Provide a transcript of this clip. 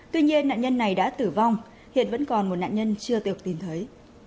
tuy nhiên nạn nhân này đã tử vong hiện vẫn còn một nạn nhân chưa được tìm thấy